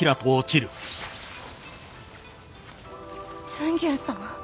天元さま。